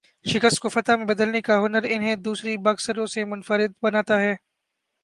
شکست کو فتح میں بدلنے کا ہنر انہیں دوسرے باکسروں سے منفرد بناتا ہے۔